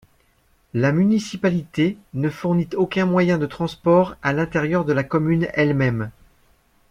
La municipalité ne fournit aucun moyen de transport à l’intérieur de la commune elle-même.